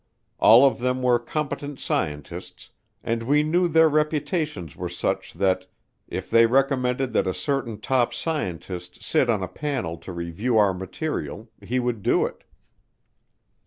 All of them were competent scientists and we knew their reputations were such that if they recommended that a certain top scientist sit on a panel to review our material he would do it.